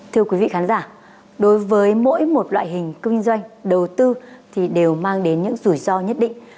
thưa quý vị khán giả đối với mỗi một loại hình kinh doanh đầu tư thì đều mang đến những rủi ro nhất định